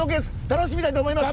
楽しみたいと思います！